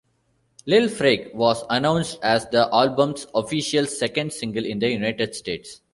"Lil Freak" was announced as the album's official second single in the United States.